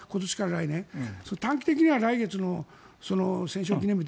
短期的には来月の戦勝記念日